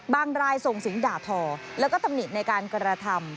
บางรายส่งสิงห์ด่าทอแล้วก็ตำนิดในการกรธรรม